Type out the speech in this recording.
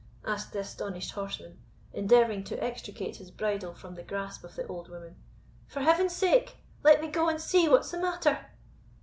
said the astonished horseman, endeavouring to extricate his bridle from the grasp of the old woman; "for Heaven's sake, let me go and see what's the matter."